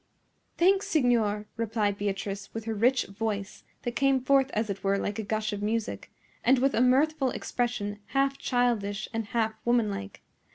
"Thanks, signor," replied Beatrice, with her rich voice, that came forth as it were like a gush of music, and with a mirthful expression half childish and half woman like.